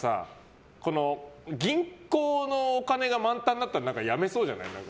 銀行のお金が満タンになったらやめそうじゃない？